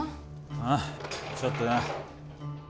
うんちょっとな。